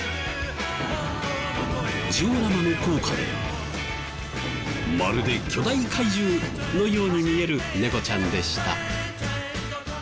ジオラマの効果でまるで巨大怪獣のように見える猫ちゃんでした。